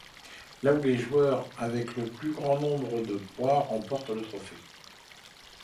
La ou les joueuses avec le plus grand nombre de points remporte le trophée.